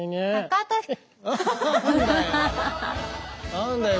何だよ。